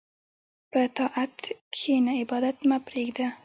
په طاعت کښېنه، عبادت مه پرېږده.